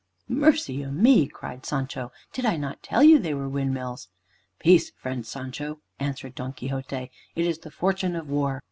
"Mercy o' me!" cried Sancho, "did not I tell you they were windmills?" "Peace, friend Sancho," answered Don Quixote. "It is the fortune of war.